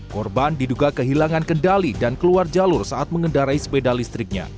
korban diduga kehilangan kendali dan keluar jalur saat mengendarai sepeda listriknya